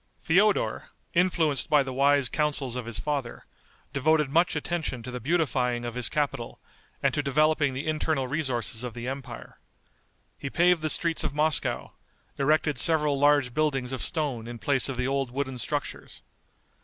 Feodor, influenced by the wise counsels of his father, devoted much attention to the beautifying of his capital, and to developing the internal resources of the empire. He paved the streets of Moscow, erected several large buildings of stone in place of the old wooden structures.